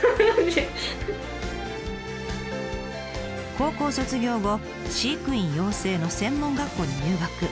高校卒業後飼育員養成の専門学校に入学。